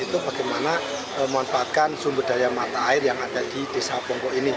itu bagaimana memanfaatkan sumber daya mata air yang ada di desa ponggok ini